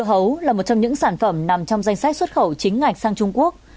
dưa hấu là một trong những sản phẩm nằm trong danh sách xuất khẩu chính ngạch sang trung quốc